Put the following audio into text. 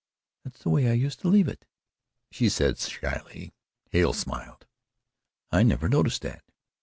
"That's the way I used to leave it," she said shyly. Hale smiled. "I never noticed that!"